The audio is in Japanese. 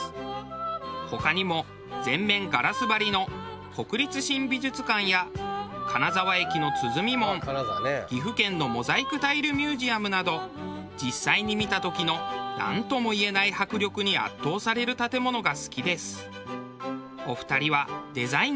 他にも全面ガラス張りの国立新美術館や金沢駅の鼓門岐阜県のモザイクタイルミュージアムなど実際に見た時のなんともいえない迫力に圧倒される建物が好きです。